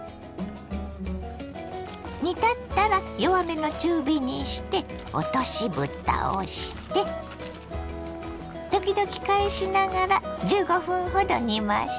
煮立ったら弱めの中火にして落としぶたをして時々返しながら１５分ほど煮ましょ。